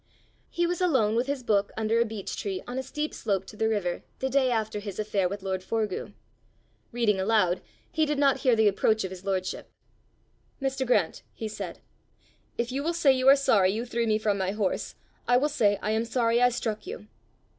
He was alone with his book under a beech tree on a steep slope to the river, the day after his affair with lord Forgue: reading aloud, he did not hear the approach of his lordship. "Mr. Grant," he said, "if you will say you are sorry you threw me from my horse, I will say I am sorry I struck you."